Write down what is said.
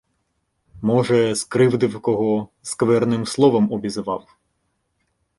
— Може, скривдив кого, скверним словом обізвав.